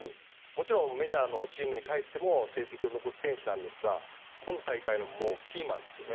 もちろんメジャーのチームに帰っても成績を残す選手なんですが今大会のキーマンですよね。